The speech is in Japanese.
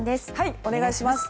お願いします。